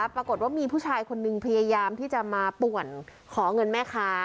ปรากฏว่ามีผู้ชายคนนึงพยายามที่จะมาป่วนขอเงินแม่ค้า